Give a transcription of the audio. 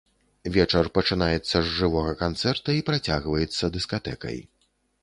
Вечар пачынаецца з жывога канцэрта і працягваецца дыскатэкай.